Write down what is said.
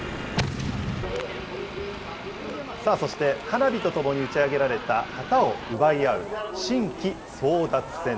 さあそして、花火と共に打ち上げられた旗を奪い合う、神旗争奪戦。